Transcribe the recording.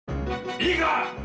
いいか！